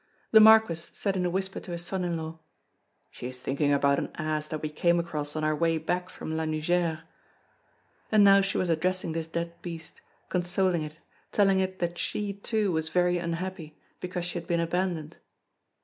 The Marquis said in a whisper to his son in law: "She is thinking about an ass that we came across on our way back from La Nugère." And now she was addressing this dead beast, consoling it, telling it that she, too, was very unhappy, because she had been abandoned.